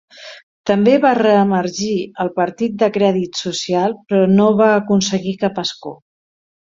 També va re-emergir el Partit del Crèdit Social, però no va aconseguir cap escó.